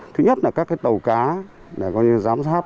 thứ nhất là các cái tàu cá để coi như giám sát